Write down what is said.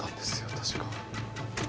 確か。